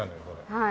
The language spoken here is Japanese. はい。